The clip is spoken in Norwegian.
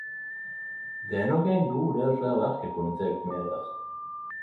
Det er nok ein god del fleire verk eg kunne teke med der.